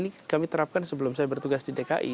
ini kami terapkan sebelum saya bertugas di dki